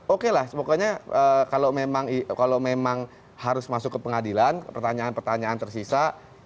oke lah pokoknya kalau memang harus masuk ke pengadilan pertanyaan pertanyaan tersisa